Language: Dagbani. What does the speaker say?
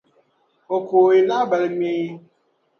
O kooi lahabali ŋmee.